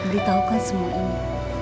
ditahukan semua ini